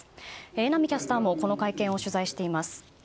榎並キャスターもこの会見を取材しています。